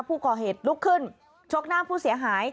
ผู้ก่อเหตุลุกขึ้นชกหน้าผู้เสียหาย